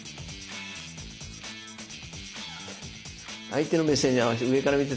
相手の目線に合わせて。